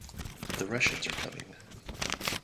The Russians are coming.